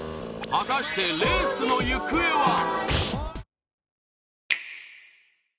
果たしてレースの行方は？